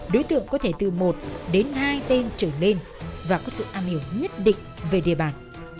đối tượng có thể từ một đến hai tên trở lên và có sự am hiểu nhất định về địa bàn